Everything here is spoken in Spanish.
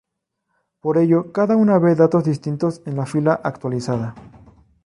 Por ello, cada una ve datos distintos en la fila actualizada.